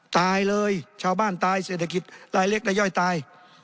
ตายเลยชาวบ้านตายเศรษฐกิจรายเล็กรายย่อยตาย